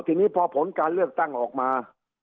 ทีนี้พอผลการเลือกตั้งออกมา